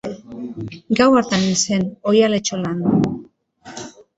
Gau hartan hil zen oihal-etxolan.